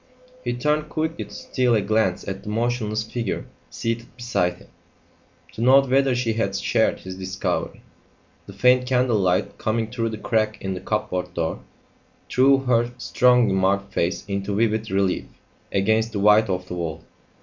He turned quickly to steal a glance at the motionless figure seated beside him, to note whether she had shared his discovery. The faint candle light coming through the crack in the cupboard door, threw her strongly marked face into vivid relief against the white of the wall.